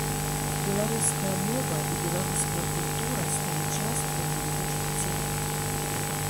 Беларуская мова і беларуская культура сталі часткай майго жыцця.